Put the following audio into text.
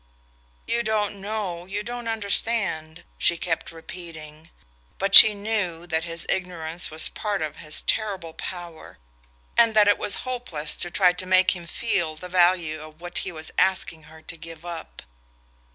"You don't know you don't understand " she kept repeating; but she knew that his ignorance was part of his terrible power, and that it was hopeless to try to make him feel the value of what he was asking her to give up.